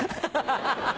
ハハハ。